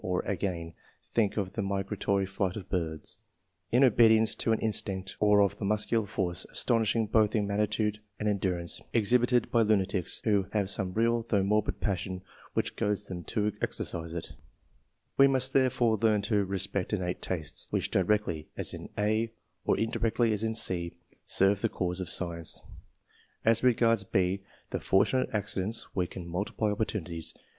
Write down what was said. or agaiD, think of the migratory flight of birds, in obedience to an instinct ; or of the muscular force, astonishing both in magnitude and en durance, exhibited by lunatics, who have some real though morbid passion which goads them to exercise it We must therefore learn to re spect innate tastes, which directly, as in a, or indirectly, as in c, serve the cause of science. As regards B, the fortunate accidents, we can multiply opportunities.